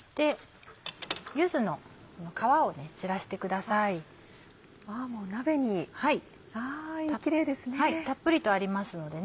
はいたっぷりとありますのでね